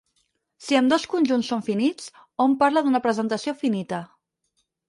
Si ambdós conjunts són finits, hom parla d'una presentació finita.